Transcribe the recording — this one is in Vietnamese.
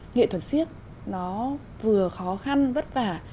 nghệ thuật siếc nó vừa khó khăn vất vả